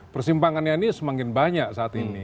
persimpangannya ini semakin banyak saat ini